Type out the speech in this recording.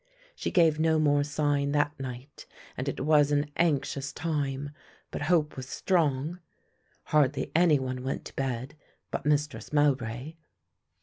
She gave no more sign that night and it was an anxious time; but hope was strong. Hardly any one went to bed but Mistress Mowbray.